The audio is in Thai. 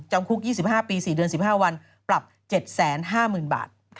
คุก๒๕ปี๔เดือน๑๕วันปรับ๗๕๐๐๐บาท